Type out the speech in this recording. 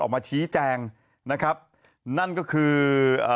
ออกมาชี้แจงนะครับนั่นก็คือเอ่อ